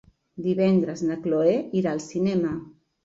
Divendres na Cloè irà al cinema.